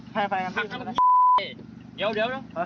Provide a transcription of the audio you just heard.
ภัยภัยภัย